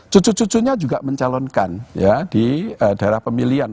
cucu cucunya juga mencalonkan ya di daerah pemilihan